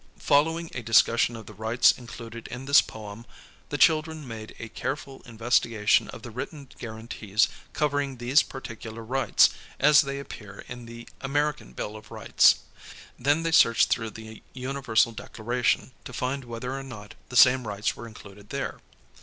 Following a discussion of the rights included in this poem, the children made a careful investigation of the written guarantees covering these particular rights as they appear in the American Bill of Rights. Then they searched through the Universal Declaration to hnd whether or not the same rights were included there.